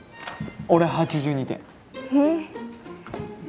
俺８２点！えっ。